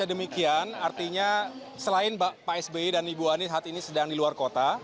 jadi demikian artinya selain pak sbe dan ibu anis saat ini sedang di luar kota